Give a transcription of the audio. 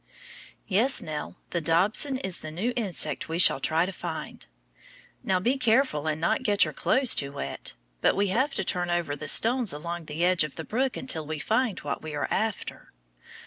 Yes, Nell, the dobson is the new insect we shall try to find. Now, be careful and not get your clothes too wet, but we have to turn over the stones along the edge of the brook until we find what we are after.